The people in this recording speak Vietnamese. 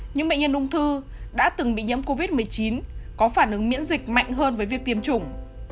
những bệnh nhân ung thư đã từng bị nhiễm covid một mươi chín có phản ứng miễn dịch mạnh hơn với việc tiêm chủng